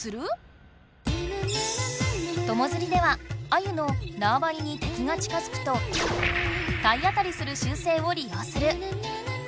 友づりではアユの「縄張りに敵が近づくと体当たりする習性」をり用する。